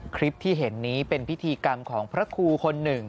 คลิปที่เห็นนี้เป็นพิธีกรรมของพระครูคนหนึ่ง